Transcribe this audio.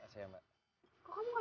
kamu gak pakai ikan cuma honey